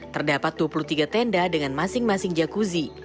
terdapat dua puluh tiga tenda dengan masing masing jakuzi